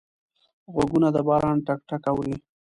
غوږونه د باران ټک ټک اوري